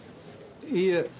いいえ。